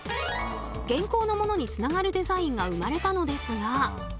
現行のものにつながるデザインが生まれたのですが。